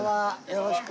よろしく。